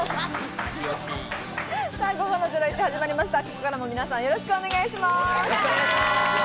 ここからも皆さん、よろしくお願いします。